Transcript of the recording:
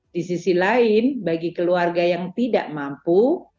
di sisi lain bagi keluarga yang tidak mampu